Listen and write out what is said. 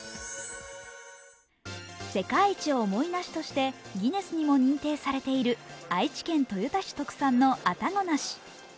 世界一重い梨としてギネスにも認定されている愛知県豊田市特産の愛宕梨。